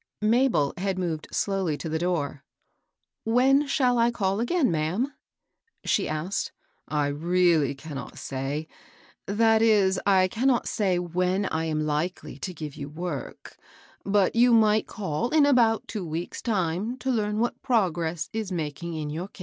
Mabel had moved slowly to the door. " When shall I call again, ma'am ?" she asked. "I really cannot say, — that is, I cannot say when I am likely to give you work; but you might call in about two weeks' time to learn what progress is making in your case."